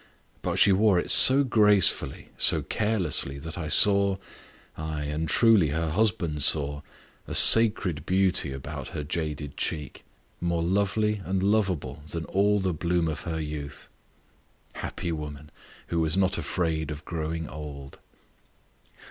But she wore it so gracefully, so carelessly, that I saw ay, and truly her husband saw a sacred beauty about her jaded cheek, more lovely and lovable than all the bloom of her youth. Happy woman! who was not afraid of growing old.